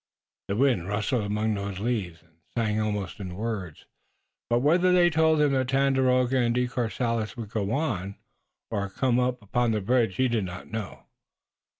The wind rustled among those leaves, and sang almost in words, but whether they told him that Tandakora and De Courcelles would go on or come upon the bridge he did not know.